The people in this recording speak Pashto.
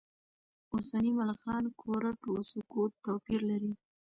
اوسني ملخان کورټ و سکوټ توپیر لري.